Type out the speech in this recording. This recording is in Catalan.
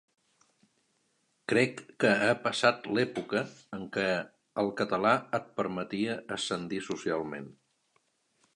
Crec que ha passat l’època en què el català et permetia ascendir socialment.